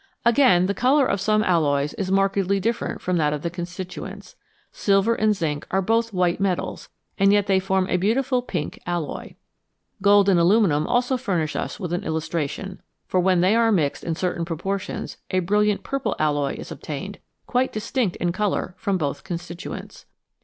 Again, the colour of some alloys is markedly different from that of the constituents. Silver and zinc are both white metals, and yet they form a beautiful pink alloy. Gold and aluminium also furnish us with an illustration, for when they are mixed in certain pro portions a brilliant purple alloy is obtained, quite dis tinct in colour from both constituents.